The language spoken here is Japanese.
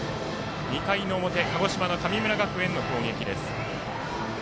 ２回の表、鹿児島の神村学園の攻撃です。